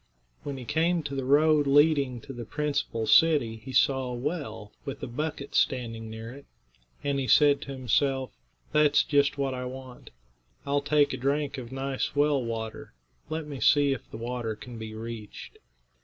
When he came to the road leading to the principal city he saw a well, with a bucket standing near it, and he said to himself: "That's just what I want. I'll take a drink of nice well water. Let me see if the water can be reached."